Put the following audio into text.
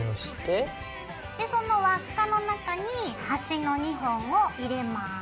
その輪っかの中に端の２本を入れます。